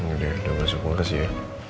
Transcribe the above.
udah masuk kursi ya